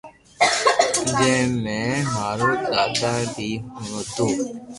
جي مي مارو دادو بي ھتو